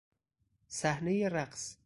صحنهی رقص